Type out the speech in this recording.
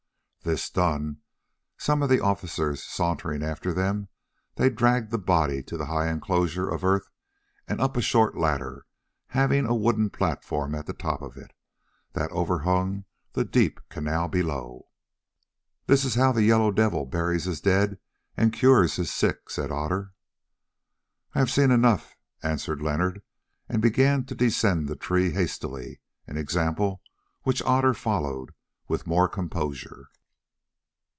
This done, some of the officers sauntering after them, they dragged the body to the high enclosure of earth and up a short ladder having a wooden platform at the top of it, that overhung the deep canal below. "This is how the Yellow Devil buries his dead and cures his sick," said Otter. "I have seen enough," answered Leonard, and began to descend the tree hastily, an example which Otter followed with more composure.